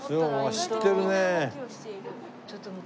知ってるねえ。